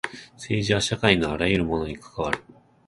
政治は社会のあらゆるものに関わる。